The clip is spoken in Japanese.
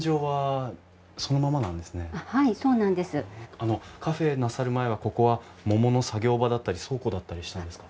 あのカフェなさる前はここは桃の作業場だったり倉庫だったりしたんですか？